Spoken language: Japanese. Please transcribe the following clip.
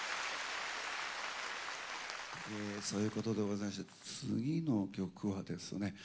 そういうことでございまして次の曲はですね